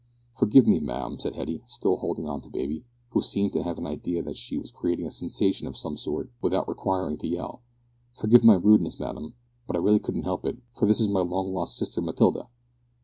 "Forgive me, ma'am," said Hetty, still holding on to baby, who seemed to have an idea that she was creating a sensation of some sort, without requiring to yell, "forgive my rudeness, ma'am, but I really couldn't help it, for this is my long lost sister Matilda."